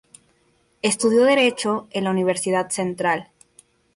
Estudió Derecho en la Universidad Central.